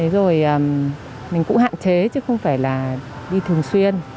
rồi mình cũng hạn chế chứ không phải là đi thường xuyên